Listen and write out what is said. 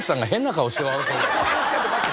ちょっと待て。